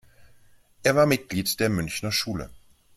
Er war Mitglied der Münchner Schule.